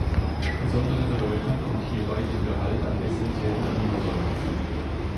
Besondere Bedeutung kommt hierbei dem Gehalt an essentiellen Aminosäuren zu.